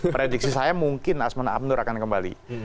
prediksi saya mungkin asman abnur akan kembali